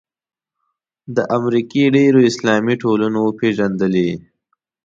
د امریکې ډېرو اسلامي ټولنو وپېژندلې.